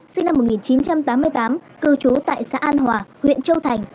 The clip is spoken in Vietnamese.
sinh năm một nghìn chín trăm tám mươi tám cư trú tại xã an hòa huyện châu thành